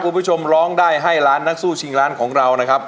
คุณผู้ชมร้องได้ให้ล้านนักสู้ชิงล้านของเรานะครับ